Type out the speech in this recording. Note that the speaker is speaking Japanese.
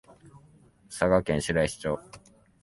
佐賀県白石町